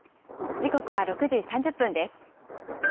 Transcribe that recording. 時刻は６時３０分です。